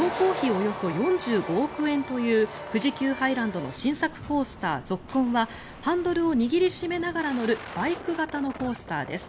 およそ４５億円という富士急ハイランドの新作コースターＺＯＫＫＯＮはハンドルを握り締めながら乗るバイク型のコースターです。